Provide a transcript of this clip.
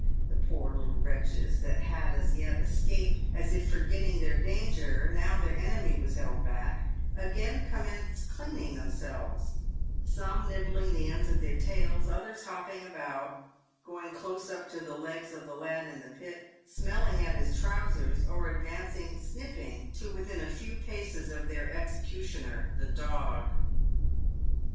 The poor little wretches that had as yet escaped, as if forgetting their danger now their enemy was held back, again commenced cleaning themselves, some nibbling the ends of their tails, others hopping about, going close up to the legs of the lad in the pit, smell ing at his trousers, or advancing, sniffing, to within a few paces of their executioner, the dog.